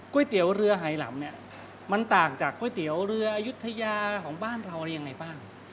เตี๋ยวเรือไฮลำเนี่ยมันต่างจากก๋วยเตี๋ยวเรืออายุทยาของบ้านเราอะไรยังไงบ้าง